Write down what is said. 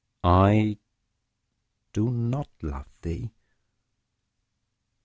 I do not love thee!